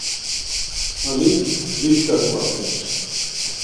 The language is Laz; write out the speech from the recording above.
Alik dişǩa ǩvatums.